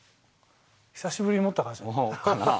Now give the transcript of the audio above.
久しぶりに持ったからじゃなかなぁ。